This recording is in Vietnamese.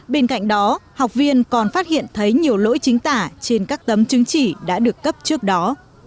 bên cạnh đó học viên còn phát hiện thấy nhiều lỗi chính tả trên các tấm chứng chỉ đã được cấp trước đó